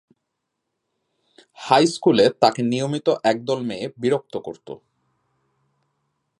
High স্কুলে তাকে নিয়মিত একদল মেয়ে বিরক্ত করত।